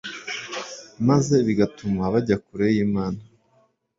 maze bigatuma bajya kure y'Imana